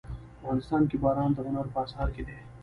افغانستان کې باران د هنر په اثار کې دي.